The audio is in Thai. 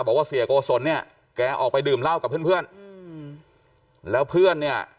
บอกว่าเสียโกศลเนี่ยแกออกไปดื่มเหล้ากับเพื่อนเพื่อนอืมแล้วเพื่อนเนี่ย